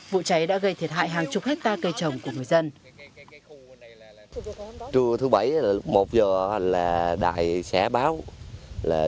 vụ cháy đã gây thiệt hại hàng chục hectare cây trồng của người dân